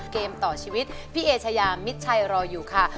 เกมต่อชีวิตพี่เอชายามิดชัยรออยู่ค่ะ